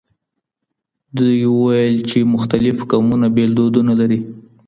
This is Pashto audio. دوی وویل چې مختلف قومونه بېل دودونه لري.